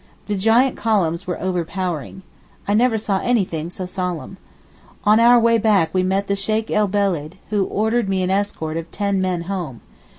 The giant columns were overpowering. I never saw anything so solemn. On our way back we met the Sheykh el Beled, who ordered me an escort of ten men home.